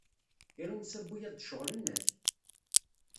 Irumsa n wiyaḍ d ccɣel-nnek?